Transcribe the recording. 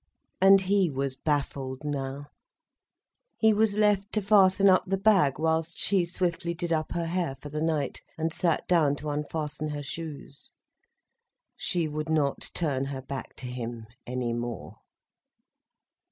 And he was baffled now. He was left to fasten up the bag, whilst she swiftly did up her hair for the night, and sat down to unfasten her shoes. She would not turn her back to him any more.